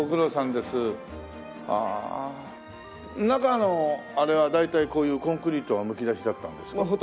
中のあれは大体こういうコンクリートはむき出しだったんですか？